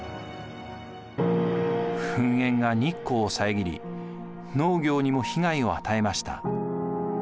噴煙が日光を遮り農業にも被害を与えました。